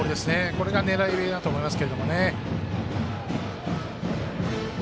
これが狙い目だと思います。